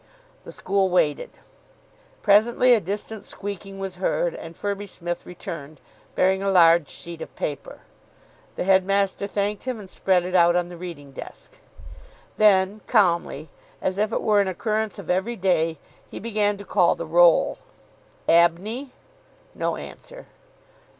The school waited. Presently a distant squeaking was heard, and Firby Smith returned, bearing a large sheet of paper. The headmaster thanked him, and spread it out on the reading desk. Then, calmly, as if it were an occurrence of every day, he began to call the roll. "Abney." No answer.